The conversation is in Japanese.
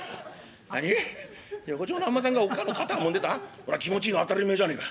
そら気持ちいいの当たり前じゃねえか。